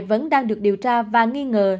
vẫn đang được điều tra và nghi ngờ